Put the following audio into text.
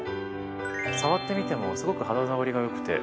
触ってみてもすごく肌触りがよくて。